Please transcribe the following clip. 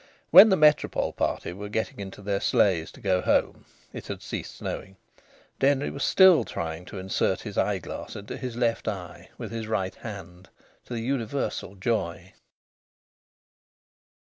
When the Métropole party were getting into their sleighs to go home it had ceased snowing Denry was still trying to insert his eyeglass into his left eye with his right hand, to the universal joy.